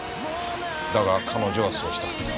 だが彼女はそうした。